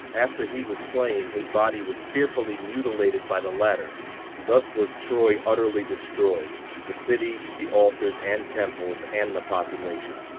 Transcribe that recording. After he was slain, his body was fearfully mutilated by the latter. Thus was Troy utterly destroyed the city, the altars and temples, and the population.